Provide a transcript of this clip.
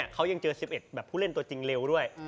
เขายังเจอ๑๑แบบผู้เล่นตัวจริงเร็วด้วย